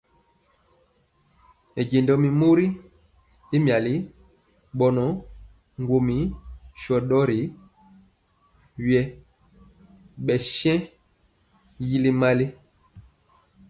Mɛnjéndɔ mi mori y miali bɔnɔ ŋguomi sho ndori wiɛɛ bɛ shen yili mali.